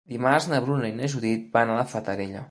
Dimarts na Bruna i na Judit van a la Fatarella.